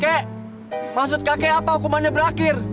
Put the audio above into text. kek maksud kakek apa hukumannya berakhir